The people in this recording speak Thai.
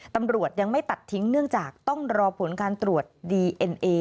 ตำรวจยังไม่ตัดทิ้งเนื่องจากต้องรอผลการตรวจดีเอ็นเอ